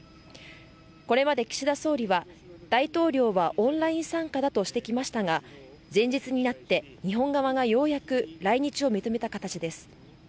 これまで、岸田総理は大統領はオンライン参加だとしてきましたが前日になって日本側がようやく来日を認めた形です。